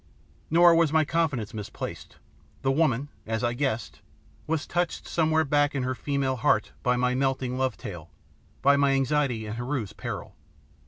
Nor was my confidence misplaced. The woman, as I guessed, was touched somewhere back in her female heart by my melting love tale, by my anxiety and Heru's peril.